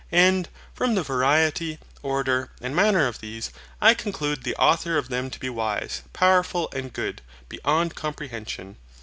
AND, from the variety, order, and manner of these, I conclude THE AUTHOR OF THEM TO BE WISE, POWERFUL, AND GOOD, BEYOND COMPREHENSION.